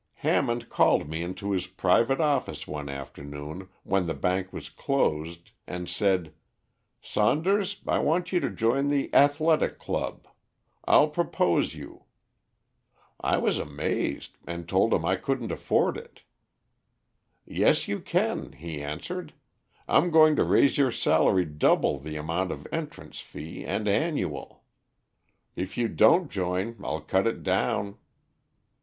Hammond called me into his private office one afternoon when the bank was closed, and said, 'Saunders, I want you to join the Athletic Club; I'll propose you.' I was amazed and told him I couldn't afford it. 'Yes, you can,' he answered. 'I'm going to raise your salary double the amount of entrance fee and annual. If you don't join I'll cut it down.'